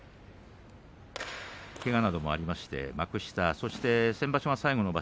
けがなどもありまして幕下そして先場所は最後の場所